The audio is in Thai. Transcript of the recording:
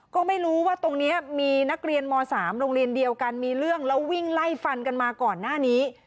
ก็ไม่รู้ว่าตรงนี้มีนักเรียนม๓โรงเรียนเดียวกันมีเรื่องแล้ววิ่งไล่ฟันกันมาก่อนหน้านี้